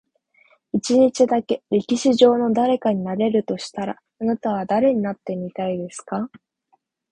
一日だけ、歴史上の誰かになれるとしたら、あなたは誰になってみたいですか？